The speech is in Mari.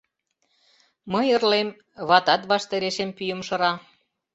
Мый ырлем, ватат ваштарешем пӱйым шыра.